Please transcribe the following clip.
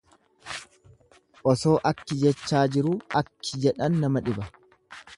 Osoo akki jechaa jiruu akki jedhan nama dhiba.